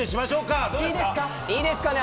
いいですかね？